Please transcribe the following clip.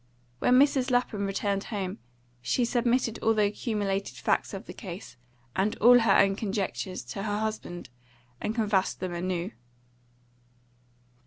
When Mrs. Lapham returned home, she submitted all the accumulated facts of the case, and all her own conjectures, to her husband, and canvassed them anew.